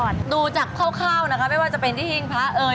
ดูจากคร่าวนะคะไม่ว่าจะเป็นที่หิ้งพระเอ๋ย